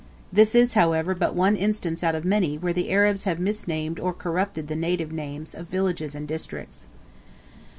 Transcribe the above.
This is, however, but one instance out of many where the Arabs have misnamed or corrupted the native names of villages and districts.